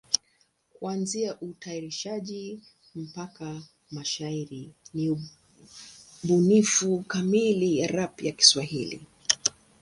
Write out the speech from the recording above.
Kuanzia utayarishaji mpaka mashairi ni ubunifu kamili ya rap ya Kiswahili.